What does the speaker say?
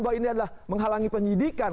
bahwa ini adalah menghalangi penyidikan